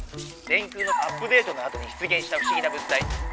電空のアップデートのあとに出現したふしぎな物体。